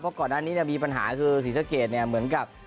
เพราะก่อนหน้านี้เนี่ยมีปัญหาคือศรีสะเกดเนี่ยเหมือนกับ